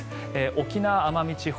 沖縄・奄美地方